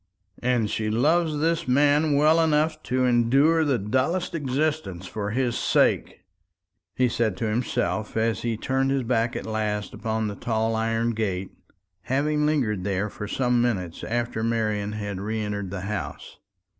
"And she loves this man well enough to endure the dullest existence for his sake," he said to himself as he turned his back at last upon the tall iron gate, having lingered there for some minutes after Marian had re entered the house.